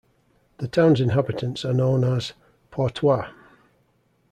The town's inhabitants are known as "Portois".